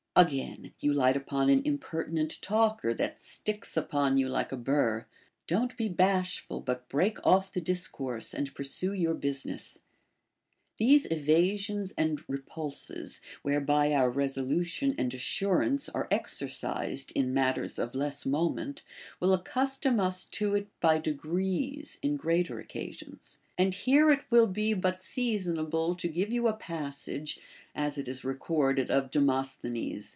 Again, you light upon an impertinent talker, that sticks upon you like a burr ; don't be bashful, but break off the discourse, and pursue your business. These evasions and repulses, whereby our resolution and assurance are exercised in mat ters of less moment, Avill accustom us to it by degrees in greater occasions. And here it will be but seasonable to give you a passage, as it is recorded of Demosthenes.